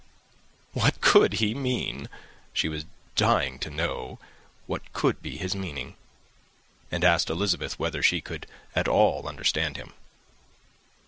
What could he mean? She was dying to know what could be his meaning and asked Elizabeth whether she could at all understand him.